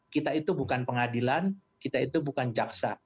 kita itu bukan pengadilan kita itu bukan jaksa